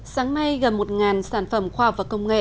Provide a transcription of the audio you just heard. sáng nay gần một sản phẩm khoa học và công nghệ